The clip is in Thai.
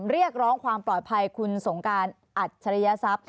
เรียกร้องความปลอดภัยคุณสงการอัจฉริยทรัพย์